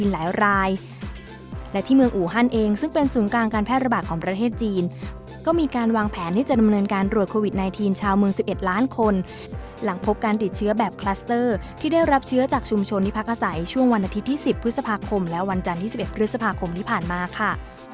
หลังพบการติดเชื้อแบบคลัสเตอร์ที่ได้รับเชื้อจากชุมชนนิพักษัยช่วงวันอาทิตย์ที่๑๐พฤษภาคมและวันจันทร์ที่๑๑พฤษภาคมที่ผ่านมาค่ะ